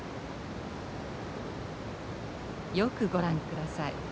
よくご覧ください。